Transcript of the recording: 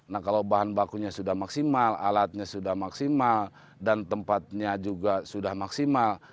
nah kalau bahan bakunya sudah maksimal alatnya sudah maksimal dan tempatnya juga sudah maksimal